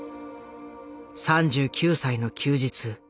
３９歳の休日。